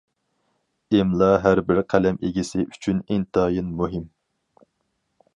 ئىملا ھەر بىر قەلەم ئىگىسى ئۈچۈن ئىنتايىن مۇھىم.